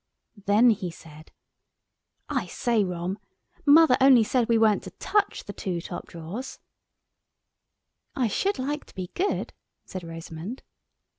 Then he said— "I say, Rom! mother only said we weren't to touch the two top drawers——" "I should like to be good," said Rosamund.